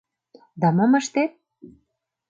Да мом ыштет?